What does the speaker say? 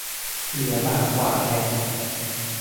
เหลือบ่ากว่าแรง